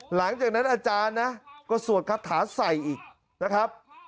หลังจากนั้นอาจารย์นะก็สวดคาถาใส่อีกนะครับ